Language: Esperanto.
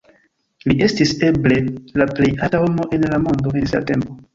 Li estis eble la plej alta homo en la mondo en sia tempo.